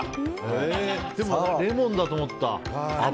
レモンだと思った。